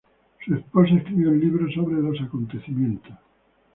Su esposa escribió un libro sobre los acontecimientos.